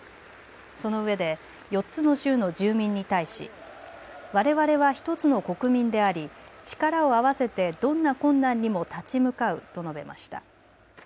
そのうえで４つの州の住民に対しわれわれは１つの国民であり力を合わせてどんな困難にも立ち向かうと述べました。